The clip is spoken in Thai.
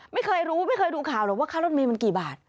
ไม่เคยรู้ไม่เคยดูข่าวหรอกว่าค่ารถเมย์มันกี่บาท